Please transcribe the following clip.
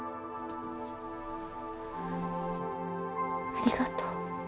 ありがとう。